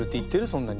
そんなに。